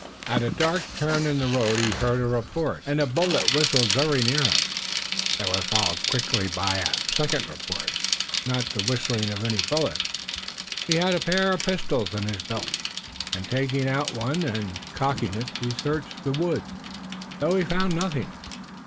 At a dark turn in the road he heard a report, and a bullet whistled very near him. It was followed quickly by a second report, but not by the whistling of any bullet. He had a pair of pistols in his belt, and, taking out one and cocking it, he searched the woods, though he found nothing.